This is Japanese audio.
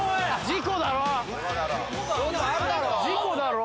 事故だろ！